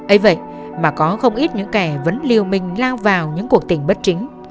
ây vậy mà có không ít những kẻ vẫn liêu minh lao vào những cuộc tình bất chính